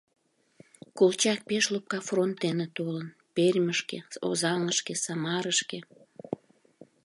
Колчак пеш лопка фронт дене толын: Пермьышке, Озаҥышке, Самарашке.